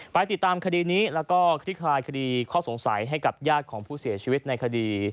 ไปติดตามคดีนี้แล้วก็คลี่คลายคดีข้อสงสัยให้กับญาติของผู้เสียชีวิตในคดี